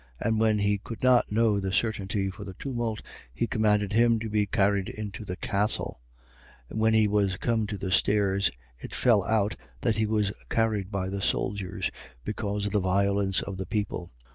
And when he could not know the certainty for the tumult, he commanded him to be carried into the castle. 21:35. And when he was come to the stairs, it fell out that he was carried by the soldiers, because of the violence of the people.